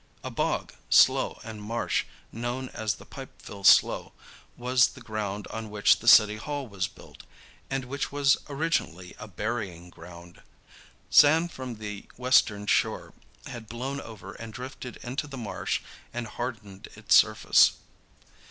A bog, slough and marsh, known as the Pipeville Slough, was the ground on which the City Hall was built, and which was originally a burying ground. Sand from the western shore had blown over and drifted into the marsh and hardened its surface.